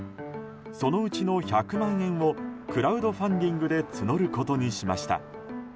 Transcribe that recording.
そのうちの１００万円をクラウドファンディングで募ることにしました。